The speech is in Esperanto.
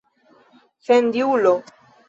sendiulo